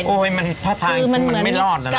โอ๊ยมันท่าทางมันไม่รอดแล้ว